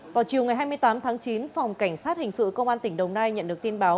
vào chiều ngày hai mươi tám tháng chín phòng cảnh sát hình sự công an tỉnh đồng nai nhận được tin báo